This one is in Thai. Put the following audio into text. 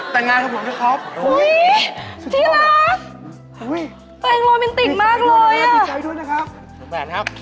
แต่งงานกับผมจะครอบ